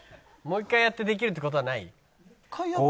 もう一回やってできるって事はない？